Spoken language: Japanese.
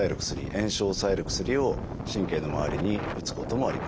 炎症を抑える薬を神経の周りに打つこともあります。